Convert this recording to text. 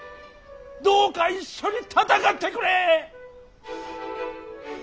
どうか一緒に戦ってくれ！